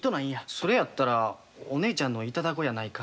「それやったらお姉ちゃんの頂こうやないか」